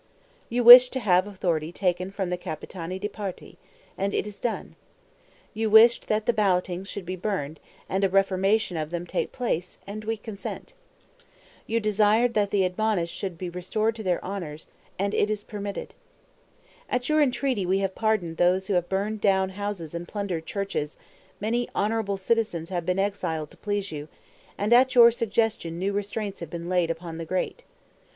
You wished to have authority taken from the Capitani di Parte; and it is done. You wished that the ballotings should be burned, and a reformation of them take place; and we consent. You desired that the admonished should be restored to their honours; and it is permitted. At your entreaty we have pardoned those who have burned down houses and plundered churches; many honorable citizens have been exiled to please you; and at your suggestion new restraints have been laid upon the Great.